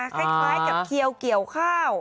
คล้ายกับเขียวเกี่ยวข้าว